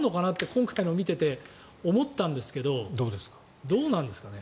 今回のを見ていて思ったんですけどどうなんですかね。